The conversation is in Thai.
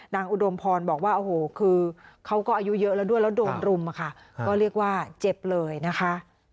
อุดมพรบอกว่าโอ้โหคือเขาก็อายุเยอะแล้วด้วยแล้วโดนรุมอะค่ะก็เรียกว่าเจ็บเลยนะคะ